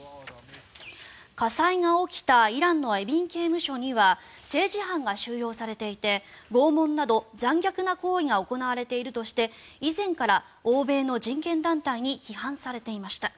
火災が起きたイランのエビン刑務所には政治犯が収容されていて拷問など、残虐な行為が行われているとして以前から欧米の人権団体に批判されていました。